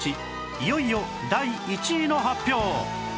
いよいよ第１位の発表